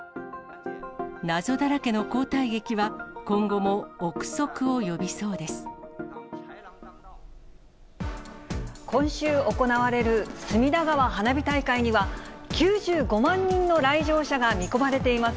謎だらけの交代劇は、今週行われる隅田川花火大会には、９５万人の来場者が見込まれています。